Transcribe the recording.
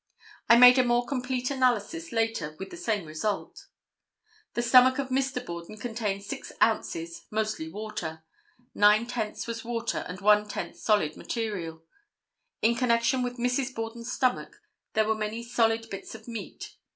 I made a more complete analysis later with the same result. The stomach of Mr. Borden contained six ounces, mostly water. Nine tenths was water and one tenth solid material. In connection with Mrs. Borden's stomach there were many solid bits of meat.